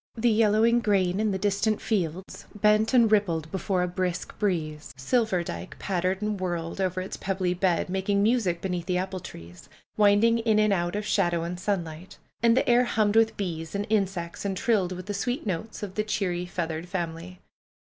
The yellowing grain in the distant fields bent and rippled before a brisk breeze. Silverdike pattered and whirled over its pebbly bed, making music beneath the apple trees ; winding in and out of shadow and sunlight. And the air hummed with bees and insects and trilled with the sweet notes of the cheery feathered family.